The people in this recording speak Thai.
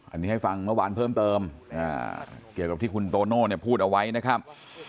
อันนี้ให้ฟังเมื่อวานเพิ่มเติมเกี่ยวกับที่คุณโตโน่พูดเอาไว้นะครับ